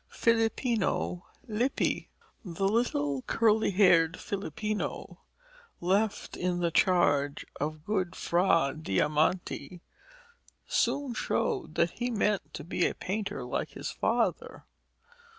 FILIPPINO LIPPI The little curly haired Filippino, left in the charge of good Fra Diamante, soon showed that he meant to be a painter like his father.